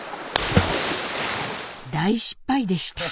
大失敗でした！